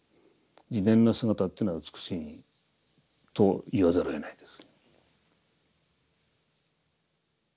自然の姿っていうのは美しいと言わざるをえないです。